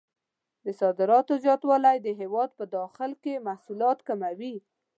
د صادراتو زیاتول د هېواد په داخل کې محصولات کموي.